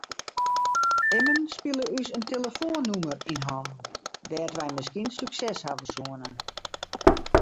Immen spile ús in telefoannûmer yn hannen dêr't wy miskien sukses hawwe soene.